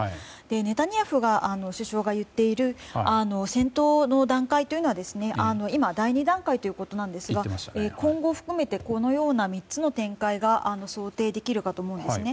ネタニヤフ首相が言う戦闘の段階は今、第２段階ですが今後含めてこのような３つの点が想定できるかと思うんですね。